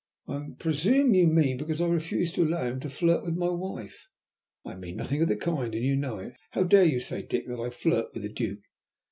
"I presume you mean because I refuse to allow him to flirt with my wife?" "I mean nothing of the kind, and you know it. How dare you say, Dick, that I flirt with the Duke?"